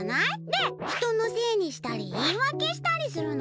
で人のせいにしたり言い訳したりするの。